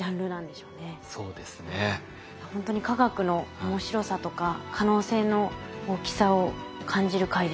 ほんとに化学の面白さとか可能性の大きさを感じる回でした。